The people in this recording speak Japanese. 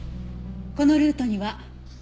このルートには。